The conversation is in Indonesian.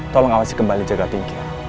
tolong awasi kembali jaga tinggi